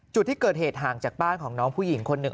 จุดที่เกิดเหตุห่างจากบ้านของน้องผู้หญิงคนหนึ่ง